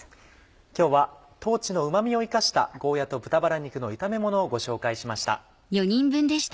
今日は豆のうま味を生かしたゴーヤと豚バラ肉の炒めものをご紹介しました。